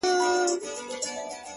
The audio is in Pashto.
• ويني ته مه څښه اوبه وڅښه،